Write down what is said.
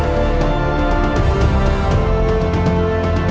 anda percaya tak apakah percaya